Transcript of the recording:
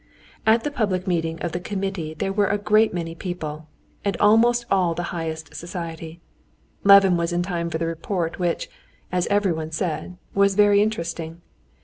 At the public meeting of the committee there were a great many people, and almost all the highest society. Levin was in time for the report which, as everyone said, was very interesting.